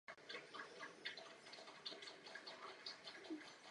Dokončoval řadu svých knih.